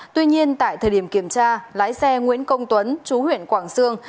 tuy nhiên tại thời điểm kiểm tra lái xe nguyễn công tuấn chú huyện quảng sương